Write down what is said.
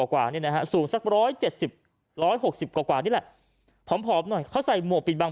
กว่านี่นะฮะสูงสัก๑๗๐๑๖๐กว่านี่แหละผอมหน่อยเขาใส่หมวกปิดบาง